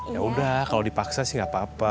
ya udah kalau dipaksa sih nggak apa apa